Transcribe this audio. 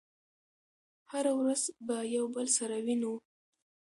هره ورځ به يو بل سره وينو